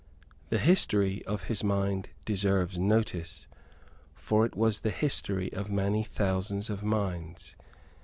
The history of his mind deserves notice; for it was the history of many thousands of minds.